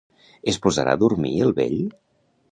Es posarà a dormir el vell?